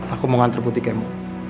aku mau ngantre putih kemu